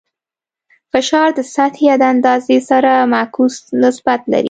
فشار د سطحې د اندازې سره معکوس نسبت لري.